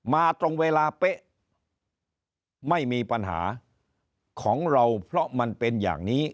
มาตรงเวลาเป๊ะไม่มีปัญหาของเราเพราะมันเป็นอย่างนี้